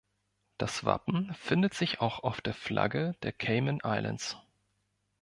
Das Wappen findet sich auch auf der Flagge der Cayman Islands.